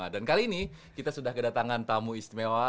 dan kali ini kita sudah kedatangan tamu istimewa